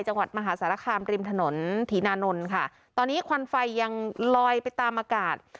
จังหวัดมหาสารคามริมถนนถีนานนท์ค่ะตอนนี้ควันไฟยังลอยไปตามอากาศ